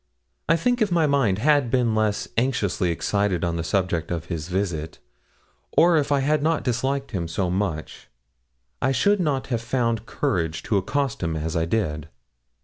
I think, if my mind had been less anxiously excited on the subject of his visit, or if I had not disliked him so much, I should not have found courage to accost him as I did.